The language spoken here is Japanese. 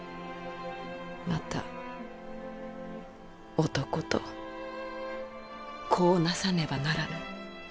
また男と子をなさねばならぬ。